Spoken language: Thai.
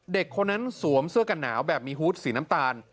เด็กคนนั้นสวมเสื้อกันหนาวแบบมีฮูตสีน้ำตาล